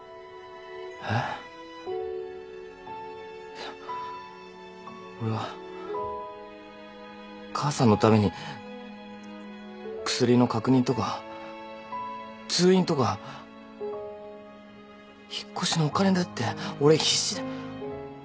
いや俺は母さんのために薬の確認とか通院とか引っ越しのお金だって俺必死で。